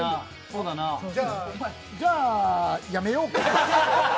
じゃあ、やめようか。